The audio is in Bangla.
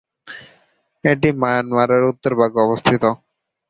এটি মায়ানমারের উত্তর ভাগে অবস্থিত।